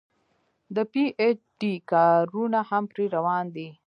د پي ايچ ډي کارونه هم پرې روان دي